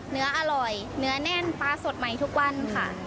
เนื้ออร่อยเนื้อแน่นปลาสดใหม่ทุกวันค่ะ